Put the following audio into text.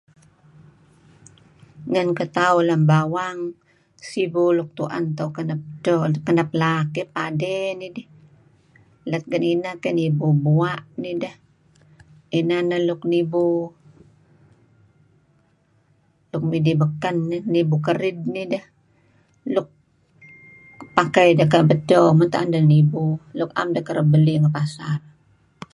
Ngan ketauh lem bawang sibu luk tu'en tauh kenep dto kenep laak dih padey dih let ngan inah keh nibu bua' nideh inan neh luk nibu luk midih beken dih nibu kerid nidah luk pakai deh kenep edto meto' 'an den nibu luk 'am deh kereb belih let ngi pasar